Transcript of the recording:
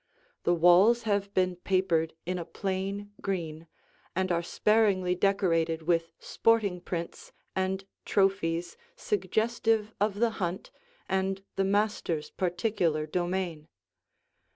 The walls have been papered in a plain green and are sparingly decorated with sporting prints and trophies suggestive of the hunt and the master's particular domain.